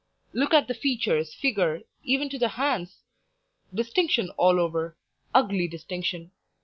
Look at the features, figure, even to the hands distinction all over ugly distinction!